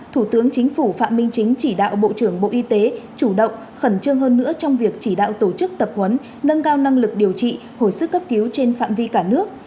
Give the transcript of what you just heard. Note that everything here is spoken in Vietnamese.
thủ tướng chính phủ phạm minh chính chỉ đạo bộ trưởng bộ y tế chủ động khẩn trương hơn nữa trong việc chỉ đạo tổ chức tập huấn nâng cao năng lực điều trị hồi sức cấp cứu trên phạm vi cả nước